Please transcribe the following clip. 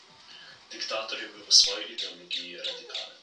Diktator je bil v svoji ideologiji radikalen.